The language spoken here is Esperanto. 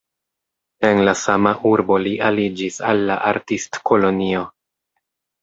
En la sama urbo li aliĝis al la artistkolonio.